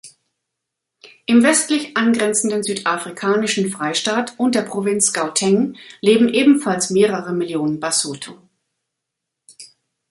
Im westlich angrenzenden südafrikanischen Freistaat und der Provinz Gauteng leben ebenfalls mehrere Millionen Basotho.